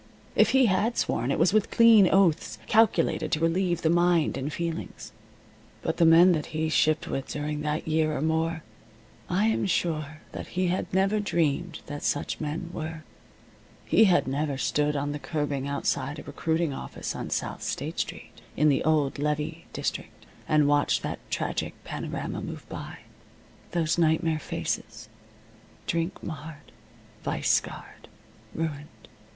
If he had sworn, it was with clean oaths, calculated to relieve the mind and feelings. But the men that he shipped with during that year or more I am sure that he had never dreamed that such men were. He had never stood on the curbing outside a recruiting office on South State Street, in the old levee district, and watched that tragic panorama move by those nightmare faces, drink marred, vice scarred, ruined.